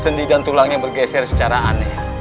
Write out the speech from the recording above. sendi dan tulangnya bergeser secara aneh